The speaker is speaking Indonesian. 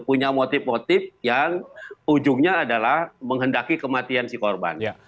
punya motif motif yang ujungnya adalah menghendaki kematian si korban